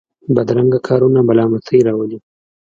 بدرنګه کارونه ملامتۍ راولي